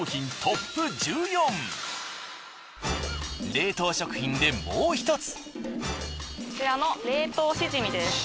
冷凍食品でもう一つ。